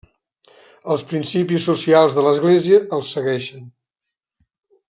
Els principis socials de l'església el segueixen.